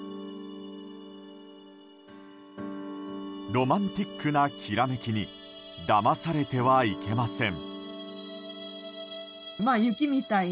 ロマンチックなきらめきにだまされてはいけません。